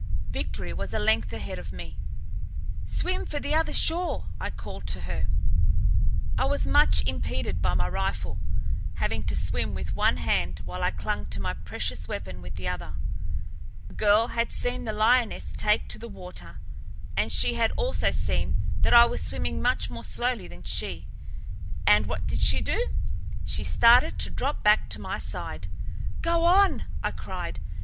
Victory was a length ahead of me. "Swim for the other shore!" I called to her. I was much impeded by my rifle, having to swim with one hand while I clung to my precious weapon with the other. The girl had seen the lioness take to the water, and she had also seen that I was swimming much more slowly than she, and what did she do? She started to drop back to my side. "Go on!" I cried.